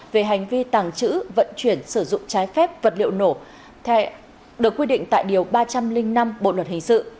về hành vi tàng trữ vận chuyển sử dụng trái phép vật liệu nổ được quy định tại điều ba trăm linh năm bộ luật hình sự